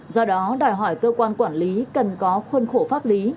do đó đòi hỏi cơ quan quản lý cần có khuôn khổ pháp lý